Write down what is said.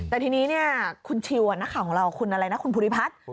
แต่ทีนี้เนี่ยคุณชิวนักข่าวของเราคุณอะไรนะคุณภูริพัฒน์